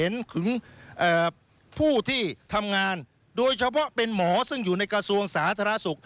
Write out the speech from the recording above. ถึงผู้ที่ทำงานโดยเฉพาะเป็นหมอซึ่งอยู่ในกระทรวงสาธารณสุข